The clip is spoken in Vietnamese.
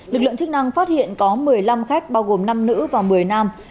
lực lượng chức năng phát hiện có một mươi năm khách bao gồm năm nữ và một mươi nam